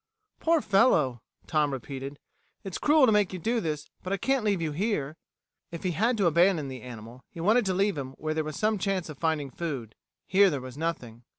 "Poor fellow," Tom repeated. "It's cruel to make you do this, but I can't leave you here." If he had to abandon the animal, he wanted to leave him where there was some chance of finding food. Here there was nothing.